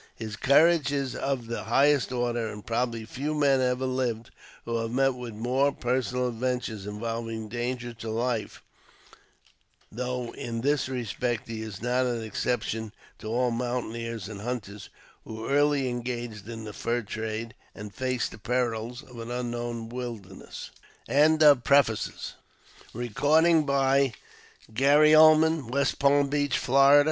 His courage is of the highest order, and probably few men ever lived who have met with more personal adventure involving danger to life, though in this respect he is not an exception to all mountaineers and hunters who early engaged in the fur trade and faced the perils of an unknown wilderness. CONTENTS, CHAPTEE I. PAGE Birth place and Childhood— Eemoval to St.